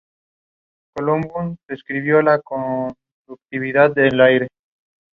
They had two daughters who lived to adulthood.